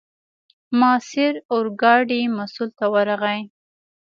ماسیر اورګاډي مسوول ته ورغی.